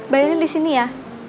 bayarin di sini ya